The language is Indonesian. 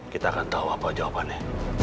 kita akan tahu apa jawabannya